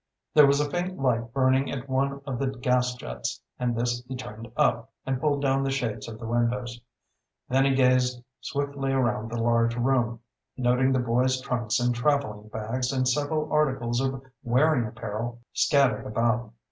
There was a faint light burning at one of the gas jets and this he turned up, and pulled down the shades of the windows. Then he gazed swiftly around the large room, noting the boys' trunks and traveling bags and several articles of wearing apparel scattered about.